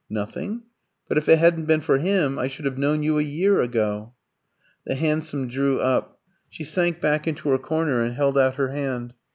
"Nothing. But if it hadn't been for him I should have known you a year ago." The hansom drew up. She sank back into her corner and held out her hand.